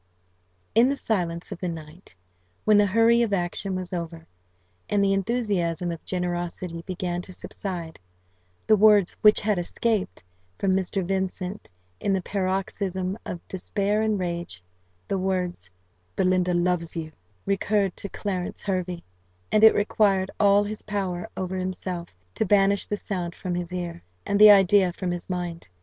In the silence of the night, when the hurry of action was over, and the enthusiasm of generosity began to subside, the words, which had escaped from Mr. Vincent in the paroxysm of despair and rage the words, "Belinda loves you" recurred to Clarence Hervey; and it required all his power over himself to banish the sound from his ear, and the idea from his mind.